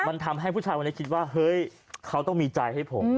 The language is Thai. มันทำให้ผู้ชายคนนี้คิดว่าเฮ้ยเขาต้องมีใจให้ผม